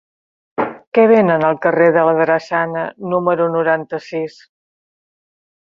Què venen al carrer de la Drassana número noranta-sis?